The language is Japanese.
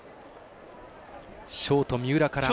ショート、三浦から。